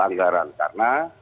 untuk anggaran karena